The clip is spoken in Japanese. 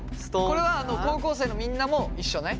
これは高校生のみんなも一緒ね。